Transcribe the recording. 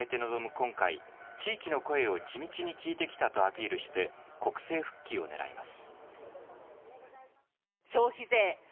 今回、地域の声を地道に聞いてきたとアピールして国政復帰を狙います。